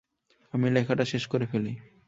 আমি লেখাটা শেষ করে ফেলি।